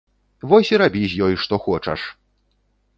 Вось і рабі з ёй, што хочаш!